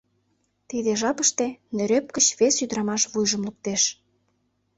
Тиде жапыште нӧреп гыч вес ӱдырамаш вуйжым луктеш.